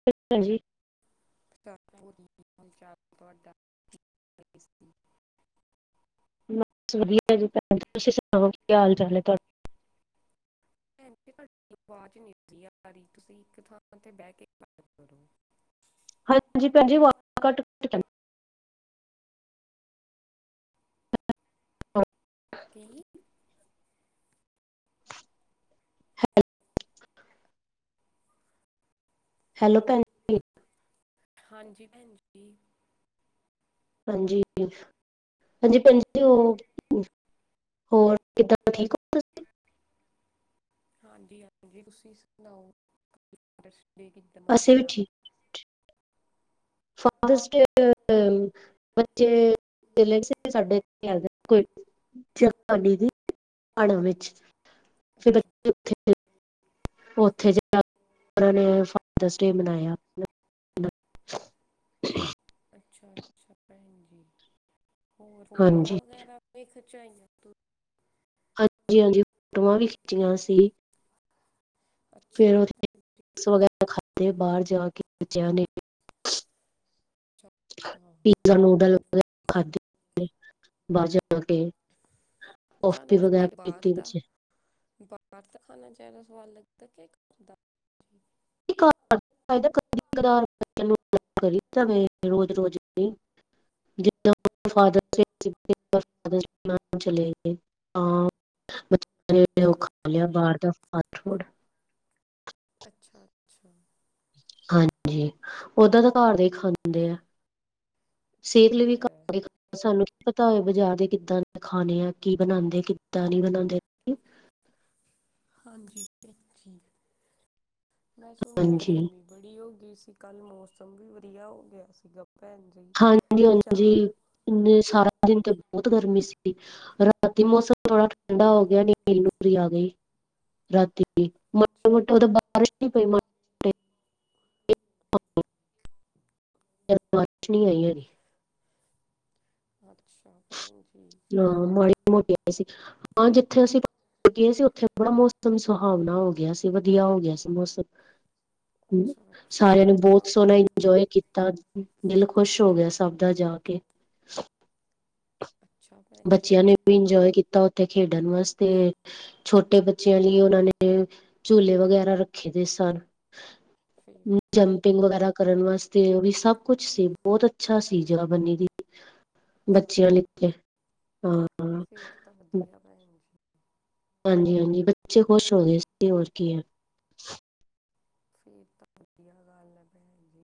ਸਤਿ ਸ੍ਰੀ ਅਕਾਲ ਜੀ। ਤਾਂ ਹੋਰ ਕੀ-ਕੀ ਵਿਚਾਰ ਤੁਆਡਾ [inaudible] ਬਸ ਵਧੀਆ ਜੀ ਤੁਸੀਂ ਸੁਣਾਓ ਕੀ ਹਾਲ ਚਾਲ ਏ ਤੁਹਾਡਾ ਭੈਣ ਜੀ ਤੁਹਾਡੀ ਆਵਾਜ਼ ਨਿਕਲੀ ਉਪਰ ਦੀ ਤੁਸੀਂ ਇਕ ਥਾਂ ਤੇ ਬੈ ਕੇ ਗੱਲ ਕਰੋ। ਹਾਂਜੀ ਭੈਣ ਜੀ ਵਾਜ਼ ਕੱਟ ਕੇ ਪਤਾ ਨੀ। [inaudible] ਕੀ [inaudible] ਹੈਲੋ ਹੈਲੋ ਭੈਣ ਜੀ ਹਾਂਜੀ ਭੈਣ ਜੀ। ਹਾਂਜੀ-ਹਾਂਜੀ-ਹਾਂਜੀ ਭੈਣ ਜੀ ਹੋਰ ਕਿਦਾਂ ਠੀਕ ਓ। ਹਾਂਜੀ-ਹਾਂਜੀ ਤੁਸੀਂ ਸੁਣਾਓ ਫਾਦਰਸ ਡੇ ਕਿਦਾਂ ਅਸੀਂ ਵੀ ਮਨਾਇਆ। ਠੀਕ ਫਾਦਰਸ ਡੇ ਬੱਚੇ ਸਾਡੇ ਇਥੇ ਆ ਜਾਣ ਕੋਈ ਸਤਿ ਸ਼੍ਰੀ ਅਕਾਲ ਦੀਦੀ ਪਾੜਾਂ ਵਿੱਚ ਤੇ ਅੱਛਾ ਬੱਚੇੇ ਉਥੇ ਉੱਥੇ ਜਾਕੇ ਉਨਾ ਨੇ ਫਾਦਰਸ ਡੇ ਮਨਾਇਆ। ਅੱਛਾ-ਅੱਛਾ ਭੈਣ ਜੀ ਹੋਰ ਫੋਟੋਆਂ ਹਾਂਜੀ ਵਗੈਰਾ ਵੀ ਖਿਚਾਈਆਂ ਤੂੰ ਹਾਂਜੀ-ਹਾਂਜੀ ਫੋਟੋਆਂ ਵੀ ਖਿੱਚੀਆਂ ਸੀ। ਅੱਛਾ ਫਿਰ ਉਥੇ ਚਿਪਸ ਵਗੈਰਾ ਖਾਧੇ ਬਾਰ ਜਾ ਕੇ ਬੱਚਿਆ ਨੇ ਹ ਅੱਛਾ ਹਾਂ। ਪੀ ਜਾਂ ਨੂਡਲ ਵਗੈਰਾ ਖਾਧੇ ਬਾਰ ਜਾ ਕੇ ਕੌਫੀ ਤੁਹਾਨੂੰ ਵਗੈਰਾ ਫਿਰ ਬਾਰ ਪੀਤੀ ਦਾ ਵਿੱਚ ਬਾਰ ਦਾ ਖਾਣਾ ਜਾਦਾ ਸਵਾਦ ਲੱਗਦਾ ਕਿ ਘਾਰ ਦਾ ਘਾਰ ਦਾ ਖਾਈਦਾ ਕਦੀ ਕਦਾਰ ਬੱਚਿਆਂ ਨੂੰ ਲੈ ਕੇ ਕਰੀ ਦਾ ਵੇ ਰੋਜ਼-ਰੋਜ਼ ਨਈ ਜਿੱਦਾਂ ਆਪਾਂ ਫਾਦਰ ਡੇ [unintelligible] ਫਾਦਰ ਨਾਲ ਚਲੇ ਗਏ ਹਾਂ ਬੱਚੇ ਨੇ ਓ ਖਾ ਲਿਆ ਬਾਰ ਦਾ ਫਾਸਟ ਫੂਡ ਅੱਛਾ-ਅੱਛਾ ਹਾਂਜੀ‌ ਓਦਾਂ ਤਾਂ ਘਰ ਦਾ ਈ ਖਾਂਦੇ ਆ ਸਿਹਤ ਲਈ ਵੀ ਠੀਕ ਐ। ਘਰ ਸਾਨੂੰ ਕੀ ਪਤਾ ਹੋਏ ਬਜ਼ਾਰ ਦੇ ਕਿੱਦਾਂ ਖਾਣੇ ਆ ਕੀ ਬਣਾਂਦੇ ਕਿੱਦਾਂ ਨੀ ਬਣਾਂਦੇ। ਹਾਂਜੀ ਅੱਛੀ, ਮੈਂ ਸੁਣਿਆਂ ਹਾਂਜੀ ਗਰਮੀ ਬੜੀ ਹੋ ਗਈ ਸੀ, ਕੱਲ ਮੌਸਮ ਵੀ ਵਧੀਆ ਹੋ ਗਿਆ ਸੀਗਾ ਭੈਣ ਜੀ ਹਾਂਜੀ- ਹਾਂਜੀ ਸ਼ਾਮ ਨੂੰ ਇੰਨੇ ਸਾਰਾ ਦਿਨ 'ਤੇ ਬੋਤ ਗਰਮੀ ਸੀ। ਰਾਤੀ ਮੌਸਮ ਥੋੜਾ ਠੰਡਾ ਹੋ ਗਿਆ, ਨੇਰੀ ਨੂਰੀ ਆ ਗਈ। ਰਾਤੀ ਮਾੜਾ ਅੱਛਾ ਮੋਟਾ ਓ ਤਾਂ ਬਾਰਿਸ਼ ਨੀ ਪਈ ਮ, ਟ। [inaudible] ਜਦ ਬਾਰਿਸ਼ ਨੀ ਆਈ ਐਗੀ। ਅੱਛਾ। ਹਾਂ ਭੈਣ ਜੀ। ਹਾਂ ਮਾੜੀ ਮੋਟੀ ਆਈ ਸੀ, ਹਾਂ ਜਿੱਥੇ ਅਸੀਂ ਗਏ ਸੀ ਉੱਥੇ ਬੜਾ ਮੌਸਮ ਸੁਹਾਵਨਾ ਹੋ ਗਿਆ ਸੀ, ਵਧੀਆ ਹੋ ਗਿਆ ਸੀ ਮੌਸਮ। ਹੂੰ, ਅੱਛਾ ਅੱਛਾ ਸਾਰਿਆਂ ਨੇ ਵਧੀਆ ਬੋਤ ਸੋਹਣਾ ਗੱਲ ਇੰਜੋਏ ਕੀਤਾ। ਦਿਲ ਖੁਸ਼ ਹੋ ਗਿਆ ਸਭ ਦਾ ਜਾ ਕੇ। ਅੱਛਾ ਭੈਣ ਜੀ ਬੱਚਿਆਂ ਨੇ ਵੀ ਇੰਜੋਏ ਕੀਤਾ ਉੱਥੇ ਖੇਡਨ ਵਾਸਤੇ ਛੋਟੇ ਬੱਚਿਆਂ ਲਈ ਉਨਾਂ ਨੇ ਝੂਲੇ ਵਗੈਰਾ ਰੱਖੇ ਦੇ ਸਨ। ਫੇਰ ਜੰਪਿੰਗ ਵਗੈਰਾ ਕਰਨ ਵਾਸਤੇ ਓ ਵੀ ਸਭ ਕੁਛ ਸੀ, ਬੋਤ ਅੱਛਾ ਸੀ ਜਗਾ ਬੰਨੀ ਦੀ ਅੱਛਾ ਬੱਚਿਆਂ ਲੀ ਉਥੇ, ਹਾਂ। ਫੇਰ ਤਾਂ ਵਧੀਆ ਭੈਣ ਜੀ। ਹਾਂਜੀ-ਹਾਂਜੀ ਬੱਚੇ ਖੁਸ਼ ਹੋਗੇ ਸੀ ਹੋਰ ਕੀ ਐ। ਫੇਰ ਤਾਂ ਵਧੀਆ ਗੱਲ ਐ ਭੈਣ ਜੀ,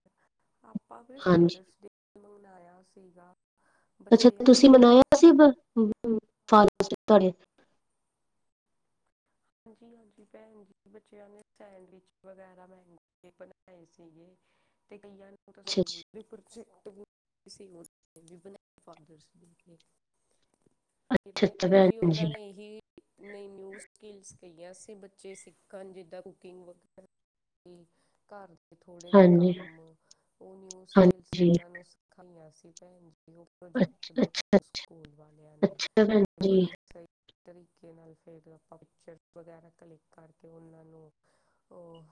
ਆਪਾਂ ਵੀ ਹਾਂਜੀ ਫਾਦਰਸ ਡੇ ਏਨੂੰ ਮਨਾਇਆ ਸੀਗਾ। ਅੱਛਾ ਬੱਚਿਆਂ ਤੁਸੀਂ ਨੇ ਮਨਾਇਆ ਸੀ ਬ, ਫਾਦਰਸ ਡੇ ਤੁਹਾਡੇ ਹਾਂਜੀ-ਹਾਂਜੀ ਭੈਣ ਜੀ ਬੱਚਿਆਂ ਨੇ ਸੈਂਡਵਿਚ ਵਗੈਰਾ ਮਹਿੰਗੇ ਬਣਾਏ ਸੀਗੇ 'ਤੇ ਕਈਆਂ ਨੂੰ ਤਾਂ ਅੱਛਾ ਸਕੂਲ ਅੱਛਾ ਵੀ ਪ੍ਰੋਜੈਕਟ ਵੀ [inaudible] ਬਣਾਏ ਫਾਦਰਸ ਡੇ 'ਤੇ। [inaudible] 'ਤੇ ਭੈਣ ਜੀ ਉਨਾਂ ਨੇ ਏਹੀ ਨਈ ਨਿਊ ਸਕਿਲਸ ਕਈਆਂ ਸੀਂ ਬੱਚੇ ਸਿੱਖਨ ਜਿੱਦਾਂ ਕੁਕਿੰਗ ਵਗ਼ੈਰਾ ਈ ਘਰ 'ਤੇ ਥੋੜੇ ਜੇ ਹਾਂਜੀ ਕੰਮ ਓ ਨਿਊ ਸਕਿਲਸ ਹਾਂਜੀ ਉਨਾਂ ਨੂੰ ਸਿਖਾਈਆਂ ਸੀ ਭੈਣ ਜੀ ਓ ਪ੍ਰੋਜੈਕਟ ਦੇ ਥਰੂ ਸਕੂਲ ਵਾਲਿਆਂ ਨੇ। ਅੱਛਾ ਭੈਣ ਜੀ ਬੜੀ ਸਈ ਤਰੀਕੇ ਨਾਲ ਫੇਰ ਆਪਾਂ ਪਿਕਚਰ ਵਗੈਰਾ ਕਲਿੱਕ ਕਰਕੇ ਉਨਾਂ ਨੂੰ, ਓ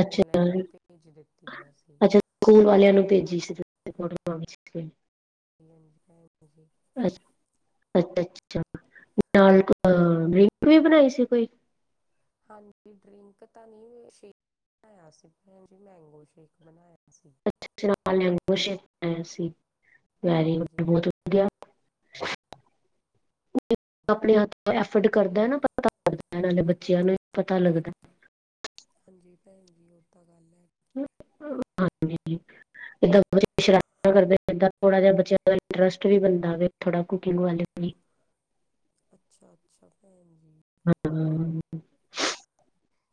ਅੱਛਾ ਔਲਾਈਨ ਈ ਭੇਜ ਦਿੱਤੀਆਂ ਸੀ। ਅੱਛਾ ਸਕੂਲ ਵਾਲਿਆਂ ਨੂੰ ਭੇਜੀ ਸੀ। ਹਾਂਜੀ-ਹਾਂਜੀ ਭੈਣ ਜੀ। ਅ ਅੱਛਾ-ਅੱਛਾ ਨਾਲ ਅ ਡਰਿੰਕ ਵੀ ਬਣਾਈ ਸੀ ਕੋਈ? ਹਾਂਜੀ ਡਰਿੰਕ ਤਾਂ ਨਈ ਸ਼ੇ ਕ ਬਣਾਇਆ ਸੀ ਭੈਣ ਜੀ, ਮੈਂਗੋ ਸ਼ੇਕ ਬਣਾਇਆ ਸੀ। ਅੱਛਾ-ਅੱਛਾ ਮੈੰਗੋ ਸ਼ੇਕ ਬਣਾਇਆ ਸੀ, ਵੈਰੀ ਗੁੱਡ ਹਾਂਜੀ ਬੋਤ ਵਧੀਆ। [inaudible] ਆਪਣੇ ਹੱਥ ਐ ਫਡ ਕਰਦਾ ਏ ਨਾ ਪਤਾ ਲਗਦਾ ਨਾਲੇ ਬੱਚਿਆਂ ਨੂੰ ਵੀ ਪਤਾ ਲੱਗਦਾ। ਹਾਂਜੀ ਭੈਣ ਜੀ ਓ ਤਾਂ ਗੱਲ ਐ। ਹਾਂਜੀ। ਇੱਦਾਂ ਸ਼ਰਾਰਤਾਂ ਕਰਦੇ ਏਦਾਂ ਥੋੜਾ ਜਾ ਬੱਚਿਆਂ ਦਾ ਇੰਟਰਸਟ ਵੀ ਬਣਦਾ ਵੇ ਥੋੜਾ ਕੁਕਿੰਗ ਵੱਲ ਵੀ। [inaudible] ਅੱਛਾ-ਅੱਛਾ ਭੈਣ ਜੀ। ਹੂੰ।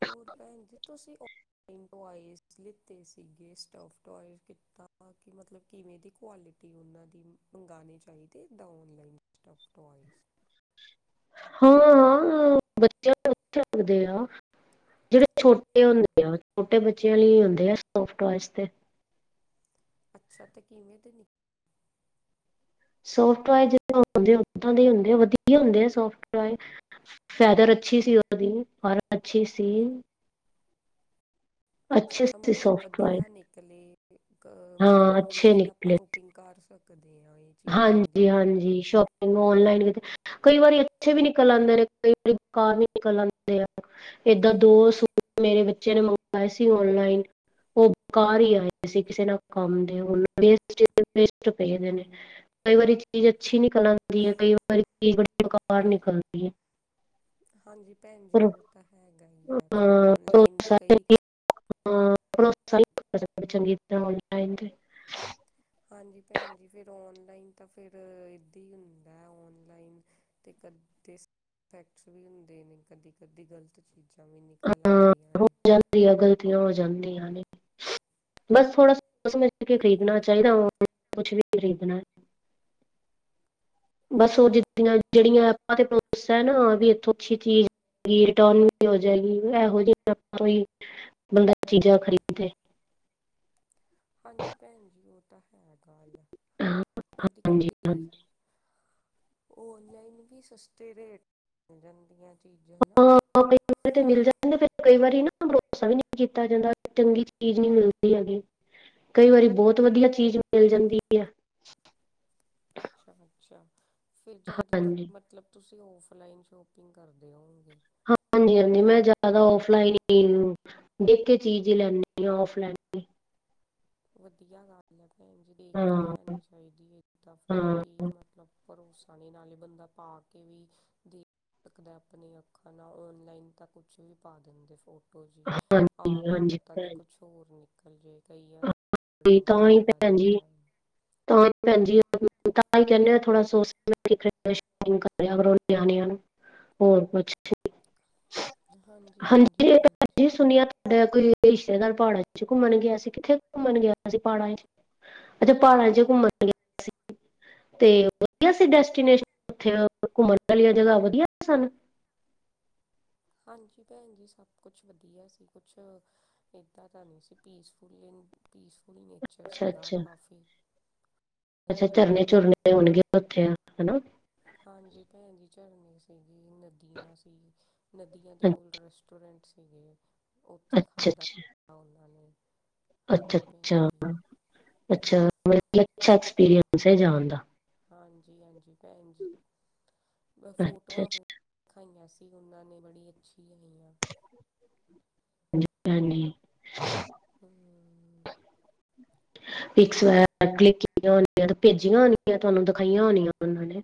ਹੋਰ ਭੈਣ ਜੀ ਤੁਸੀਂ ਉ ਲਾਇਨ ਟੋਇਸ ਲਿੱਤੇ ਸੀਗੇ। ਸਟੋਫ ਟੋਇਜ਼ ਕਿੱਦਾਂ, ਕਿ ਮਤਲਬ ਕਿਵੇਂ ਦੀ ਕੁਆਲਿ ਤੇ ਉਹਨਾਂ ਦੀ ਮੰਗਾਨੇ ਚਾਹੀਦੇ ਏਦਾ ਔਨਲਾਈਨ ਟਫ ਟੋਇਜ਼। ਹਾਂ-ਹਾਂ, ਬੱਚਿਆ ਨੂੰ ਅਛੇ ਲੱਗਦੇ ਆ। ਜਿਹੜੇ ਛੋਟੇ ਹੁੰਦੇ ਆ, ਛੋਟੇ ਬੱਚਿਆਂ ਲਈ ਹੁੰਦੇ ਆ ਸਟੋਫ ਟੋਇਜ਼ ਤੇ। ਅੱਛਾ ਤੇ ਕਿਵੇਂ ਦੇ ਨਿ ਸੋਫਟ ਟੋਆਜ ਜਿਦਾ ਹੁਂਦੇ, ਉਦਾਂ ਦੇ ਹੀ ਹੁੰਦੇ ਆ। ਵਧੀਆ ਹੁੰਦੇ ਆ ਸੋਫਟ ਟੋਆਏ। ਫੈਦਰ ਅੱਛੀ ਸੀ ਉਹਦੀ, ਫਰ ਅੱਛੀ ਸੀ। ਅੱਛਾ-ਅੱਛਾ ਮਤਲਬ ਵਧੀਆ ਨਿਕਲੇ ਅ ਮਤਲਬ ਓਨਲਾਈਨ ਆਪਾਂ ਸੌ ਪਿੰਗ ਕਰ ਸਕਦੇ ਆਂ ਏ। ਹਾਂਜੀ-ਹਾਂਜੀ ਸ਼ੋਪ ਪਿੰਗ ੳਨਲਾਈਨ ਤੇ। ਕਈ ਵਾਰੀ ਅੱਛੇ ਵੀ ਨਿਕਲ ਆਂਦੇ ਨੇ, ਕਈ ਵਾਰੀ ਬਕਾਰ ਵੀ ਨਿਕਲ ਆਂਦੇ ਆ। ਏਦਾਂ ਦੋ ਸੂਟ ਮੇਰੇ ਬੱਚੇ ਨੇ ਮੰਗਵਾਏ ਸੀ ਓਨਲਾਈਨ ਉਹ ਬਕਾਰ ਈ ਆਏ ਸੀ। ਕਿਸੇ ਨਾ ਕੰਮ ਦੇ ਉ ਹੁਨ ਵੇਸਟ ਈ ਵੇਸਟ ਪਏ ਦੇ ਨੇ। ਕਈ ਵਾਰੀ ਚੀਜ਼ ਅੱਛੀ ਨਿਕਲ ਆਂਦੀ ਏ। ਕਈ ਵਾਰੀ ਚੀਜ਼ ਬੜੀ ਬੇਕਾਰ ਨਿਕਲਦੀ ਹੈ ਹਾਂਜੀ ਭੈਣ ਜੀ ਪਰ ਉਹ ਤਾਂ ਹੈਗਾ ਈ ੲੈ, ਫੇਰ ਅਹ ਔਨਲਾਈਨ ਦੇ ਭਰੋਸਾ ਕਈ ਨਹੀਂ ਹਾਂ ਭਰੋਸਾ ਨਹੀਂ ਹੁੰਦਾ ਚੰਗੀ ਤਰ੍ਹਾਂ ਆਨਲਾਈਨ ਤੇ। ਹਾਂਜੀ ਭੈਣ ਜੀ ਫਿਰ ਔਨਲਾਈਨ ਤਾਂ ਫਿਰ ਏਦਾਂ ਹੀ ਹੁੰਦਾ ਹੈ ਔਨਲਾਈਨ ਤੇ ਕਦੇ ਫੈਕਟਸ ਵੀ ਹੁੰਦੇ ਨੇ ਕਦੀ-ਕਦੀ ਗਲਤ ਚੀਜ਼ਾਂ ਵੀ ਨਿਕਲ ਆਂਦੀਆਂ ਨੇ। ਜਾਂਦੀਆਂ ਗ਼ਲਤੀਆਂ ਹੋ ਜਾਂਦੀਆਂ ਨੇ। ਬਸ ਥੋੜਾ ਸਮਝ ਕੇ ਖਰੀਦਣਾ ਚਾਹੀਦਾ ਆਨਲਾਈਨ ਕੁਛ ਵੀ ਖਰੀਦਣਾ। ਬੱਸ ਉਹ ਹਾਂਜੀ ਜਿੱਦੀਆਂ ਜਿਹੜੀਆਂ ਐਪਾਂ ਤੇ ਪਾਉਂ ਪੁੱਸ ਨਾ ਇਥੋਂ ਅੱਛੀ ਚੀਜ਼ ਰਿਟਰਨ ਵੀ ਹੋ ਜਾਏਗੀ ਇਹੋ ਜਿ ਕੋਈ ਬੰਦਾ ਚੀਜ਼ਾਂ ਖਰੀਦੇ। ਹਾਂਜੀ ਭੈਣ ਜੀ। ਉਹ ਤਾਂ ਹੈ ਗੱਲ ਹਾਂ ਹਾਂਜੀ ਕਦੀ-ਕਦੀ ਹਾਂਜੀ ਓਨਲਾਈਨ ਵੀ ਸਸਤੇ ਰੇਟ ਜਾਂਦੀਆਂ ਚੀਜ਼ਾਂ ਨਾ। [inaudible] ਤਾਂ ਮਿਲ ਜਾਂ ਤਾਂ ਫਿਰ ਕਈ ਵਾਰੀ ਨਾ ਭਰੋਸਾ ਵੀ ਨਹੀਂ ਕੀਤਾ ਜਾਂਦਾ ਚੰਗੀ ਚੀਜ਼ ਨਹੀਂ ਮਿਲਦੀ ਹੈਗੀ। ਕਈ ਵਾਰੀ ਬਹੁਤ ਵਧੀਆ ਚੀਜ਼ ਮਿਲ ਜਾਂਦੀ ਐ। ਅੱਛਾ-ਅੱਛਾ ਫਿਰ ਜਿਆਦਾਤਰ ਹਾਂਜੀ ਮਤਲਬ ਤੁਸੀਂ ਔਫਲਾਈਨ ਸ਼ੋਪਿੰਗ ਕਰਦੇ ਹੋਓਗੇ। ਹਾਂਜੀ-ਹਾਂਜੀ ਮੈਂ ਜ਼ਿਆਦਾ ਆਫਲਾਈਨ ਹੀ ਦੇਖ ਕੇ ਚੀਜ਼ ਲੈਂਦੀ ਹਾਂ ਆਫਫਲਾਈਨ। ਵਧੀਆ ਗੱਲ ਹੈ ਭੈਣ ਜੀ ਦੇਖ ਹਾਂ ਕੇ ਲੈਣੀ ਚਾਹੀਦੀ ਹੈ ਤਾਂ ਫਿਰ ਹਾਂ ਕੀ ਮਤਲਬ ਭਰੋਸਾ ਨਹੀਂ ਨਾਲੇ ਬੰਦਾ ਪਾ ਕੇ ਵੀ ਦੇ ਕਦਾ ਆਪਣੀਆਂ ਅੱਖਾਂ ਨਾਲ ਔਨਲਾਈਨ ਤਾਂ ਕੁਛ ਵੀ ਪਾ ਦਿੰਦੇ ਫੋਟੋ ਖੋ ਜੀ ਪਾ ਹਾਂਜੀ ਕੇ ਹਾਂਜੀ ਪਤਾ ਭੈਣ ਨੀ ਜੀ। ਕੁਛ ਹੋਰ ਨਿਕਲ ਜਾਏ ਕਈ ਆ ਨਾ ਹਾਂਜੀ ਨਾਂ ਤਾਂ ਹੀ ਬੜੀ ਵਾਰੀ ਭੈਣ ਜੀ ਕੀਤਾ ਐ। ਤਾਂ ਭੈਣ ਜੀ ਤਾਂ ਈ ਕਹਿਨੇ ਆ ਥੋੜਾ ਸੋਚ ਸਮਝ ਕੇ [inaudible] ਪਿੰਗ ਕਰ ਲਿਆ ਕਰੋ ਨਿਆਣਿਆ ਨੂੰ। ਹੋਰ ਕੁੱਛ। ਹਾਂਜੀ-ਹਾਂਜੀ ਹਾਂਜੀ ਇਹ ਭੈਣ ਜੀ ਸੁਣਿਆ ਤੁਹਾਡਾ ਕੋਈ ਰਿਸ਼ਤੇਦਾਰ ਪਹਾੜਾਂ ਚ ਘੁੰਮਣ ਗਿਆ ਸੀ ਕਿੱਥੇ ਘੁੰਮਣ ਗਿਆ ਸੀ ਪਹਾੜਾਂ ਚ'। ਅੱਛਾ ਪਹਾੜਾਂ ਚ ਘੁੰਮਣ ਗਿਆ ਸੀ। ਤੇ ਵਧੀਆ ਸੀ ਡੈਸਟੀਨੇਸ਼ਨ ਉਥੇ ਘੁੰਮਣ ਵਾਲੀਆਂ ਜਗ੍ਹਾ ਵਧੀਆ ਸਨ। ਹਾਂਜੀ ਭੈਣ ਜੀ ਸਭ ਕੁਛ ਵਧੀਆ ਸੀ ਕੁਛ ਏਦਾਂ ਤਾਂ ਨਹੀਂ ਸੀ ਪੀਸਫੁਲੀ-ਪੀਸਫੁਲੀ ਨੇਚਰ ਅੱਛਾ ਸੀਗਾ ਅੱਛਾ ਕਾਫ਼ੀ, ਅੱਛਾ ਝਰਨੇ ਚੁਰਨੇ ਹੋਣਗੇ ਉੱਥੇ ਹਨਾ। ਹਾਂਜੀ ਭੈਣ ਜੀ ਝਰਨੇ ਸੀਗੀ ਨਦੀਆਂ ਸੀ। ਨਦੀਆਂ ਦੇ ਕੋਲ ਰੈਸਟੋਰੈਂਟ ਸੀਗੇ ਅੱਛਾ ਉੱਥੇ ਅੱਛਾ ਖਾਧਾ ਉਹਨਾਂ ਨੇ, ਹਾਂਜੀ ਭੈਣ ਜੀ ਅੱਛਾ-ਅੱਛਾ-ਅੱਛਾ ਮਤ ਅੱਛਾ ਐਕਸਪੀਰੀਅੰਸ ਹੈ ਜਾਣ ਦਾ। ਹਾਂਜੀ-ਹਾਂਜੀ ਭੈਣ ਜੀ ਬਸ ਅੱਛਾ ਫੋਟੋਆਂ ਫੋਨ ਅੱਛਾ ਦਿਖਾਈਆਂ ਸੀ ਉਨ੍ਹਾਂ ਨੇ ਬੜੀ ਅੱਛੀ ਆਈਆ। ਹਾਂਜੀ-ਹਾਂਜੀ। ਹੂੰ, ਹ [unintelligible] ਕੀਤੀਆ ਹੋਣੀਆ ਤੇ ਭੇਜੀਆਂ ਹੋਣੀਆਂ ਤੁਹਾਨੂੰ ਦਿਖਾਈਆਂ ਹੋਣੀਆਂ ਉਹਨਾਂ ਨੇ।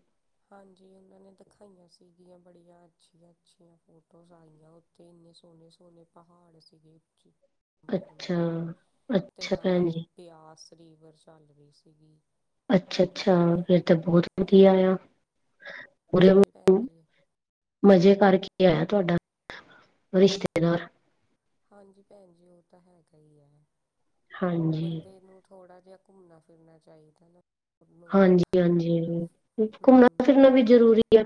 ਹਾਂਜੀ ਉਹਨਾਂ ਨੇ ਦਿਖਾਈਆਂ ਸੀਗੀਆ ਬੜੀਆਂ ਅੱਛੀਆ-ਅੱਛੀਆ ਫੋਟੋਜ਼ ਆਈਆ ਤੇ ਇੰਨੇ ਸੋਹਣੇ-ਸੋਹਣੇ ਪਹਾੜ ਸੀਗੇ ਉੱਚੀ, ਅੱਛਾ ਲੰਬੇ-ਲੰਬੇ ਜੇ ਤੇ ਅੱਛਾ ਨਾਲ ਭੈਣ ਜੀ ਹੀ ਪਿਆਸ ਰੀਵਰ ਚੱਲ ਰਹੀ ਸੀ ਗੀ। ਅੱਛਾ-ਅੱਛਾ ਫਿਰ ਤਾਂ ਬਹੁਤ ਵਧੀਆ ਆ। ਪੂਰੇ ਹਾਂਜੀ ਭੈਣ ਜੀ। ਮਜ਼ੇ ਕਰਕੇ ਆਇਆ ਤੁਹਾਡਾ ਰਿਸ਼ਤੇਦਾਰ। ਹਾਂਜੀ ਭੈਣ ਜੀ ਉਹ ਤਾਂ ਹੈਗਾ ਹੀ ਹੈ ਹਾਂਜੀ ਬੰਦੇ ਨੂੰ, ਥੋੜਾ ਜਿਹਾ ਘੁੰਮਣਾ ਫਿਰਨਾ ਚਾਹੀਦਾ ਨਾ। ਉਹਨੂੰ ਹਾਂਜੀ-ਹਾਂਜੀ ਜ਼ਰੂਰ ਘੁੰਮਣਾ ਹਮ ਫਿਰਨਾ ਵੀ ਜ਼ਰੂਰੀ ਹੈ।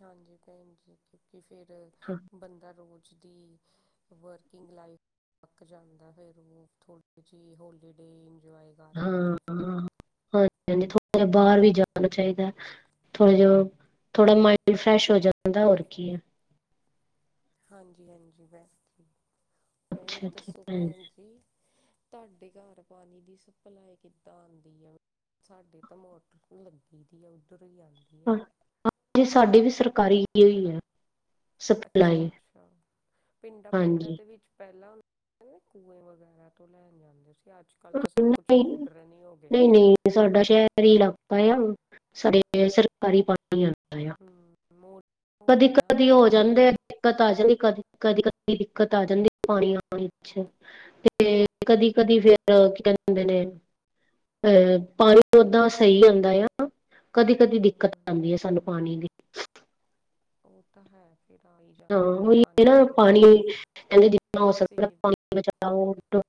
ਹਾਂਜੀ ਭੈਣ ਜੀ ਕਿਉਂਕਿ ਫੇਰ ਬੰਦਾ ਰੋਜ਼, ਵਿੱਚ ਦੀ ਵਰਕਿੰਗ ਲਾਈਫ ਅੱਕ ਜਾਂਦਾ ਫਿਰ ਉਹ ਥੋੜ੍ਹੀ ਜਿਹੀ ਹੋਲੀਡੇ ਇੰਜੋਏ ਕਰ ਹਾਂ, ਆਉਂਦਾ ਫਿਰ, ਹਾਂਜੀ-ਹਾਂਜੀ ਥੋੜਾ ਜਿਹਾ ਬਾਹਰ ਵੀ ਜਾਣਾ ਚਾਹੀਦਾ, ਥੋੜਾ ਜਿਹਾ ਥੋੜਾ ਮਾਇੰਡ ਫਰੈਸ਼ ਹੋ ਜਾਂਦਾ ਹੋਰ ਕੀ ਹੈ, ਹਾਂਜੀ-ਹਾਂਜੀ ਬੈ ਜੀ ਹੋਰ ਦੱਸੋ ਭੈਣ ਜੀ, ਤੁਹਾਡੇ ਘਰ ਪਾਣੀ ਦੀ ਸਪਲਾਈ ਕਿੱਦਾਂ ਆਦੀ ਆ? ਸਾਡੇ ਤਾਂ ਮੋਟਰ ਲੱਗੀ ਦੀ ਆ ਉੱਧਰ ਹੀ ਆ ਹਾਂ, ਹਾਂਜੀ ਸਾਡੇ ਵੀ ਸਰਕਾਰੀ ਔ ਹੀ ਹੈ। ਸਪਲਾਈ ਅੱਛਾ-ਅੱਛਾ ਪਿੰਡਾਂ-ਪੁੰਡਾਂ ਹਾਂਜੀ। ਦੇ ਵਿੱਚ ਪਹਿਲਾਂ ਕ ਕੂਏ ਵਗੈਰਾ ਤੋਂ ਲੈਣ ਜਾਂਦੇ ਸੀ, ਅੱਜ-ਕੱਲ ਤਾਂ ਸਭ ਕੁਛ ਨਹੀਂ, ਮੋਡਰਨ ਹੀ ਹੋ ਗਿਆ। ਨਹੀਂ-ਨਹੀਂ ਸਾਡਾ ਸ਼ਹਿਰ ਹੀ ਇਲਾਕਾ ਆ ਸਾਡੇ ਕਦੀ ਪਾਣੀ ਆਦਾ ਆ ਹਮ ਮੋਡਰਨ ਹੋ ਗਿਆ ਨਾ ਕਦੀ-ਕਦੀ ਅੱਜ ਹੋ ਕੱਲ ਜਾਂਦਾ। ਦਿੱਕਤ ਆ ਜਾਂਦੀ, ਕਦੀ-ਕਦੀ-ਕਦੀ ਦਿੱਕਤ ਆ ਜਾਂਦੀ ਪਾਣੀ ਆਣ ਵਿੱਚ ਤੇ ਕਦੀ-ਕਦੀ ਫਿਰ ਤੇ ਕੀ ਕਹਿੰਦੇ ਹੁੰਦੇ ਨੇ ਅਹ ਪਾਣੀ ਓਦਾਂ ਸਹੀ ਆਉਂਦਾ ਆ। ਕਦੀ-ਕਦੀ ਦਿੱਕਤ ਹਮ ਆਦੀ ਹੈ ਸਾਨੂੰ ਪਾਣੀ ਦੀ, ਉਹ ਤਾਂ ਹੈ ਫੇਰ ਆ, ਹੀ ਹਾਂ ਜਾਂਦੀ ਹੈ ਉਹ ਪਾਣੀ ਦੀ ਨਾ ਪਾਣੀ ਦਿੱਕਤ ਵੀ ਕਹਿੰਦੇ ਜਿਨਾ ਹੋ ਸਕਦਾ ਸੇਵ ਪਾਣੀ ਬਚਓ।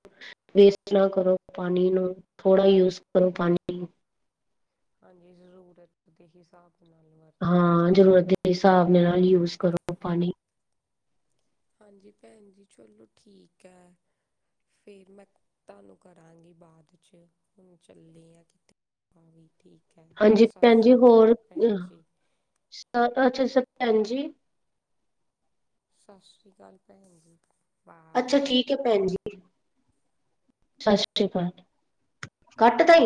ਵੇਸਟ ਨਾ ਕਰੋ ਪਾਣੀ ਨੂੰ ਥੋੜਾ ਯੂਜ ਕਰੋ ਪਾਣੀ, ਹਾਂਜੀ ਜ਼ਰੂਰਤ ਦੇ ਹਿਸਾਬ ਨਾਲ ਵਰਤਣਾ ਹਾਂ ਚਾਹੀਦਾ ਹੈ। ਜ਼ਰੂਰਤ ਦੇ ਹਿਸਾਬ ਨਾਲ ਯੂਜ ਕਰੋ ਪਾਣੀ, ਹਾਂਜੀ ਭੈਣ ਜੀ ਚਲੋ ਠੀਕ ਹੈ, ਫਿਰ ਮੈਂ ਤੁਹਾਨੂੰ ਕਰਾਂਗੀ ਬਾਅਦ ਚ ਹੁਣ ਚੱਲੀ ਆ ਕਿਤੇ ਵੀ ਠੀਕ, ਠੀਕ ਹੈ ਹਾਂਜੀ ਸਤਿ ਭੈਣ ਜੀ ਸ਼੍ਰੀ ਹੋਰ ਅਕਾਲ ਭੈਣ ਜੀ। [unintelligible] ਅੱਛਾ, ਅੱਛਾ ਭੈਣ ਜੀ ਸਤਿ ਸ਼੍ਰੀ ਅਕਾਲ ਭੈਣ ਜੀ। ਬਾਏ ਅੱਛਾ ਠੀਕ ਅੱਛਾ ਭੈਣ ਜੀ, ਸਤਿ ਸ੍ਰੀ ਅਕਾਲ ਕਾਟ ਤਾਂ ਹੀ।